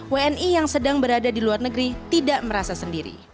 wni yang sedang berada di luar negeri tidak merasa sendiri